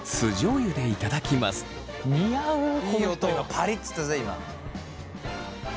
パリッつったぜ今。